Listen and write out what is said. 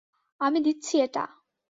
আমি দিচ্ছি এটা।